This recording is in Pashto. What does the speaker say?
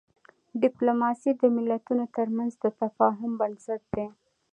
ډیپلوماسي د ملتونو ترمنځ د تفاهم بنسټ دی.